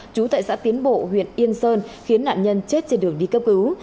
trú tại xã tiến bộ huyện yên sơn khiến nạn nhân chết trên đường đi cấp cứu